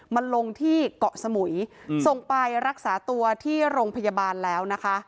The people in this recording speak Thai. มาลงที่เกาะสมุยส่งไปรักษาตัวที่โรงพยาบาลแล้วนะคะ